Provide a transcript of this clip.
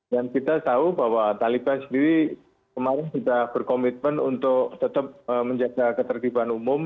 dan kita tahu bahwa taliban sendiri kemarin sudah berkomitmen untuk tetap menjaga ketergiban umum